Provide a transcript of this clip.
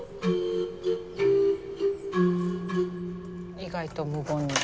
意外と無言になる。